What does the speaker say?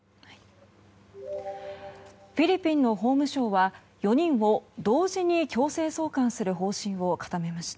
フィリピンの法務省は４人を同時に強制送還する方針を固めました。